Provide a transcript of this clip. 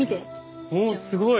おおすごい。